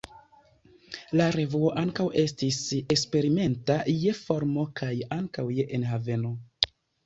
La revuo ankaŭ estis eksperimenta je formo kaj ankaŭ je enhavo.